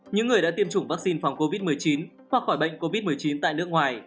những người đã tiêm chủng vaccine phòng covid một mươi chín khoa khỏi bệnh covid một mươi chín tại nước ngoài